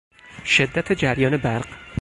شدت جریان برق